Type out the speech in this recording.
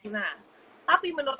nah tapi menurut